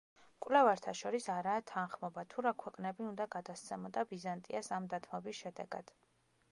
მკვლევართა შორის არაა თანხმობა, თუ რა ქვეყნები უნდა გადასცემოდა ბიზანტიას ამ დათმობის შედეგად.